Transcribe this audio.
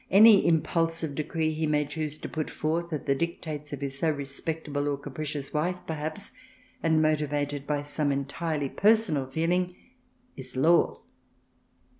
Any impulsive decree he may choose to put forth — at the dictates of his so respectable or capricious wife, perhaps, and motived by some entirely personal feeling — is law.